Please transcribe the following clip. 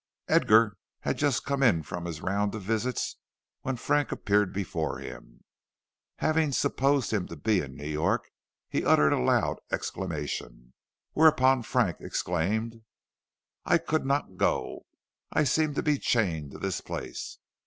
Edgar had just come in from his round of visits when Frank appeared before him. Having supposed him to be in New York, he uttered a loud exclamation. Whereupon Frank exclaimed: "I could not go. I seemed to be chained to this place.